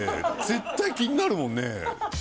絶対気になるもんね。